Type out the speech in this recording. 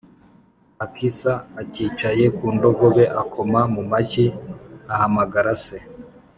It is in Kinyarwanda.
akisa acyicaye ku ndogobe akoma mu mashyi ahamagara se